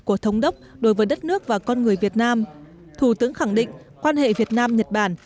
của thống đốc đối với đất nước và con người việt nam thủ tướng khẳng định quan hệ việt nam nhật bản